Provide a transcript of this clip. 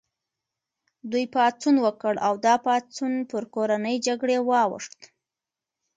دوی پاڅون وکړ او دا پاڅون پر کورنۍ جګړې واوښت.